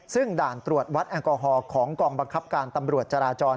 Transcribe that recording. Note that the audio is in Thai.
ซึ่งด่านตรวจวัดแอลกอฮอล์ของกองบังคับการตำรวจจราจร